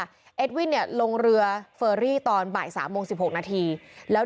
เอ็ดวินเนี่ยลงเรือเฟอรี่ตอนบ่ายสามโมงสิบหกนาทีแล้ว